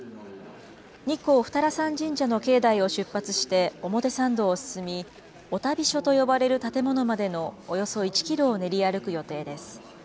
日光二荒山神社の境内を出発して表参道を進み、御旅所と呼ばれる建物までのおよそ１キロを練り歩く予定です。